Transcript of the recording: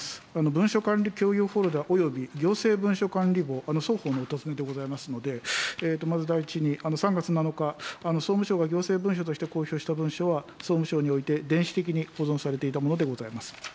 文書管理共有フォルダおよび行政文書管理簿、双方のお尋ねでございますので、まず第一に、３月７日、総務省が行政文書として公表した文書は、総務省において、電子的に保存されていたものでございます。